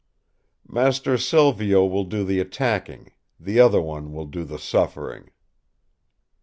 "Master Silvio will do the attacking; the other one will do the suffering."